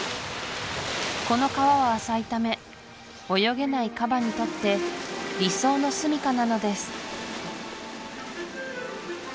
この川は浅いため泳げないカバにとって理想のすみかなのです